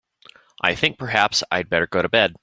I think perhaps I'd better go to bed.